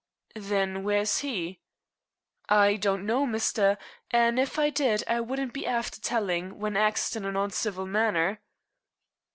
"Then where is he?" "I don't know, misther, an' if I did I wouldn't be afther telling when axed in an oncivil manner."